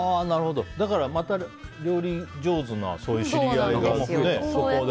だからまた料理上手な知り合いがそこでも。